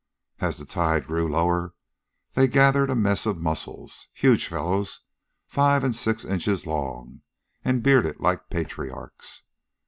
As the tide grew lower, they gathered a mess of mussels huge fellows, five and six inches long and bearded like patriarchs.